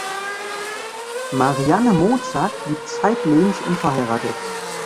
Marianne Mozart blieb zeitlebens unverheiratet.